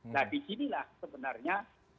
nah di ginilah sebenarnya